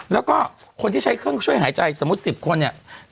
แล้วก็คนที่ใช้เครื่องช่วยหายใจสมมุติ๑๐คนเนี่ย